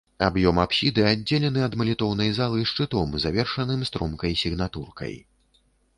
Аб'ём апсіды аддзелены ад малітоўнай залы шчытом, завершаным стромкай сігнатуркай.